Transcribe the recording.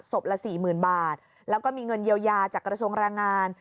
ละสี่หมื่นบาทแล้วก็มีเงินเยียวยาจากกระทรวงแรงงาน